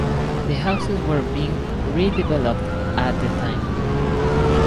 The houses were being redeveloped at the time.